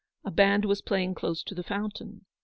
A band was playing close to the fountain.